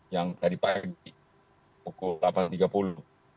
yang tadi pagi pukul delapan tiga puluh